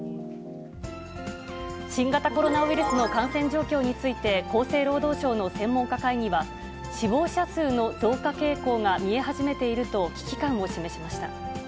新型コロナウイルスの感染状況について、厚生労働省の専門家会議は、死亡者数の増加傾向が見え始めていると危機感を示しました。